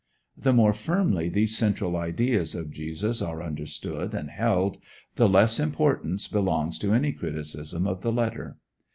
The more firmly these central ideas of Jesus are understood and held, the less importance belongs to any criticism of the letter.